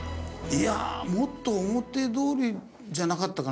いやあもっと表通りじゃなかったかな？